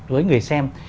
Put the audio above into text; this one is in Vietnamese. với người xem